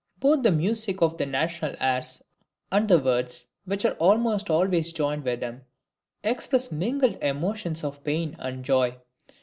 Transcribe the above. Both the music of the national airs, and the words, which are almost always joined with them, express mingled emotions of pain and joy.